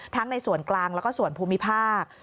ในส่วนกลางแล้วก็ส่วนภูมิภาค